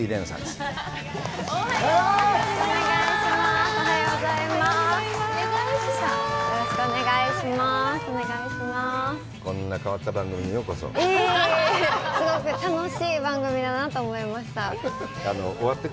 すごく楽しい番組だなと思いました。